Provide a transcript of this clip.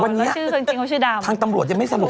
วันนี้ทางตำรวจยังไม่สลบ